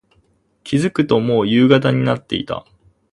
気付くと、もう夕方になっていた。